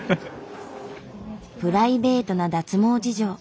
プライベートな脱毛事情。